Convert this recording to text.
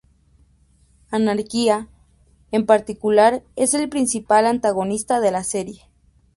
Anarquía, en particular, es el principal antagonista de la serie.